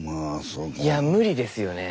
いや無理ですよね。